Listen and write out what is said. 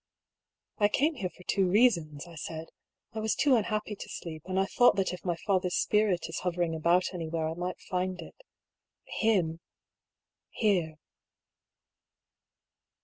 " I came here for two reasons," I said. " I was too unhappy to sleep, and I thought that if my father's spirit is hovering about anywhere I might find it — him — here."